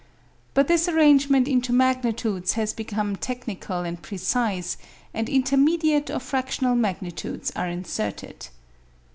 But this arrangement into magnitudes has become technical and precise, and intermediate or fractional magnitudes are inserted.